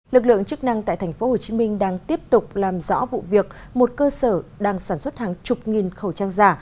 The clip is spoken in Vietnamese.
lực lượng chức năng tại tp hcm đang tiếp tục làm rõ vụ việc một cơ sở đang sản xuất hàng chục nghìn khẩu trang giả